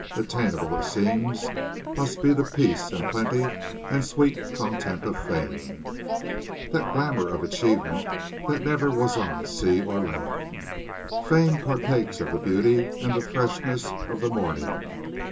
Attainable, it seems, must be the peace and plenty and sweet content of fame that glamour of achievement that never was on sea or land. Fame partakes of the beauty and freshness of the morning.